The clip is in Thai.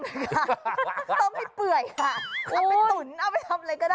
ต้มให้เปื่อยค่ะเอาไปตุ๋นเอาไปทำอะไรก็ได้